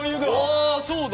あそうだ！